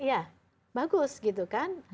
ya bagus gitu kan